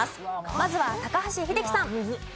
まずは高橋英樹さん。